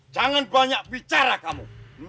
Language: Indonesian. jangan banyak bicara kamu